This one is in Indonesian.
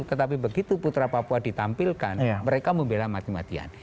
tetapi begitu putra papua ditampilkan mereka membela mati matian